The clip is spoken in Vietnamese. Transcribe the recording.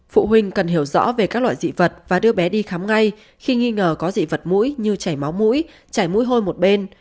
phụ huynh cần hiểu rõ về các loại dị vật và đưa bé đi khám ngay khi nghi ngờ có dị vật mũi như chảy máu mũi chảy mũi hôi một bên